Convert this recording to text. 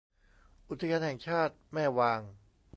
อุทยานแห่งชาติแม่วาง